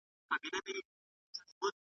نه به تر لاندي تش کړو جامونه `